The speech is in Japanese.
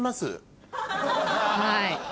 はい。